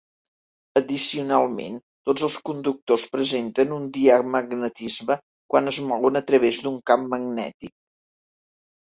Addicionalment, tots els conductors presenten un diamagnetisme quan es mouen a través d'un camp magnètic.